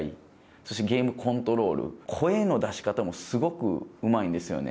そしてゲームコントロール、声の出し方もすごくうまいんですよね。